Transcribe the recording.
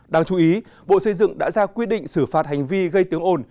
đáng chú ý bộ xây dựng đã ra quy định xử phạt hành vi gây tiếng ồn